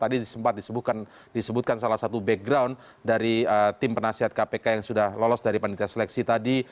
tadi sempat disebutkan salah satu background dari tim penasihat kpk yang sudah lolos dari panitia seleksi tadi